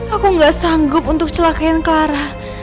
aku gak sanggup untuk celakaan clara